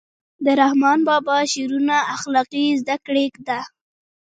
د رحمان بابا شعرونه اخلاقي زده کړه ده.